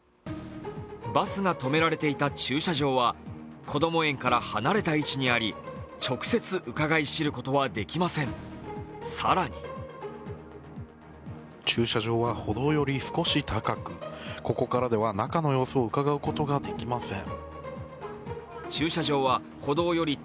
バスが止められていた駐車場は、こども園から離れた位置にあり直接うかがい知ることはできません、更に駐車場は歩道より少し高くここからでは中の様子をうかがうことができません。